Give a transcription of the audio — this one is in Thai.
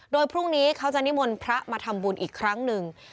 โดยพรุ่งนี้เขาจะนิมนต์พระมาทำบุญอีกครั้งหนึ่ง